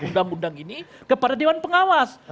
undang undang ini kepada dewan pengawas